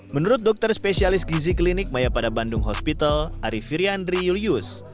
menurut dokter spesialis gizi klinik maya pada bandung hospital ari firyandri yulyus